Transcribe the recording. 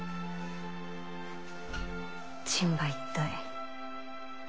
人馬一体。